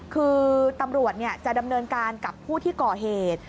คือตำรวจจะดำเนินการกับผู้ที่ก่อเหตุ